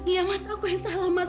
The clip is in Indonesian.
ya mas aku yang salah mas